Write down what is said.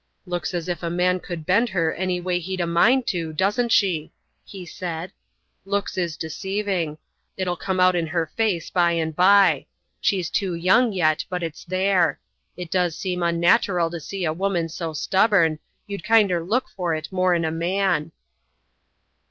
"Looks as if a man could bend her any way he'd a mind to, doesn't she?" he said. "Looks is deceiving. It'll come out in her face by and by she's too young yet, but it's there. It does seem unnatteral to see a woman so stubborn you'd kinder look for it more in a man."